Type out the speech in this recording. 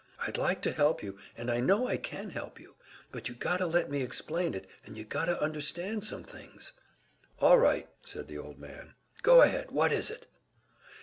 I'd like to help you, and I know I can help you, but you gotta let me explain it, and you gotta understand some things." "All right," said the old man. "Go ahead, what is it?"